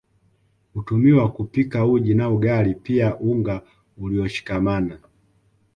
Hutumiwa kupika uji na ugali pia unga ulioshikamana